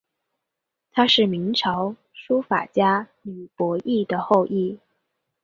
她是明朝书法家吕伯懿后裔。